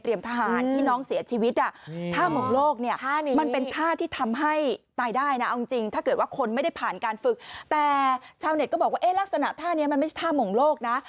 ลักษณะท่านี้มันไม่ใช่ท่ามงโลกนะ